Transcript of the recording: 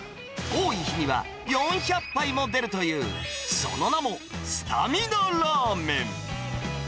多い日には４００杯も出るという、その名も、スタミナラーメン。